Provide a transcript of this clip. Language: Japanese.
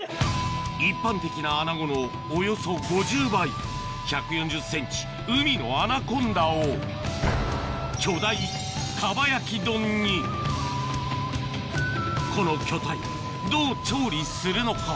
一般的なアナゴのおよそ５０倍１４０ｃｍ海のアナコンダを巨大蒲焼き丼にこの巨体どう調理するのか？